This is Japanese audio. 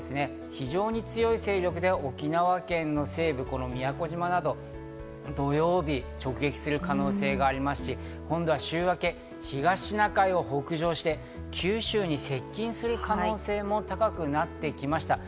非常に強い勢力で沖縄県の西部、宮古島など土曜日、直撃する可能性がありますし、週明け、東シナ海を北上して九州に接近する可能性も高くなってきました。